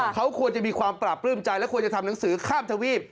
เขาควรจะมีความปราบปลื้มใจและควรจะทำหนังสือข้ามทวีป